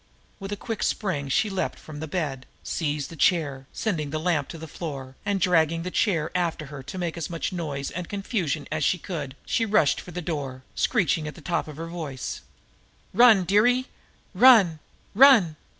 With a quick spring she leaped from the bed, seized the chair, sending the lamp to the floor, and, dragging the chair after her to make as much noise and confusion as she could, she rushed for the door, screeching at the top of her voice: "Run, dearie, run! Run!"